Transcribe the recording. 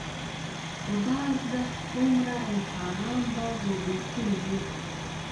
خدا زده څومره انسانان به ژوبل کړي وي.